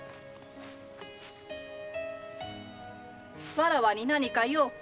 わらわに何か用か？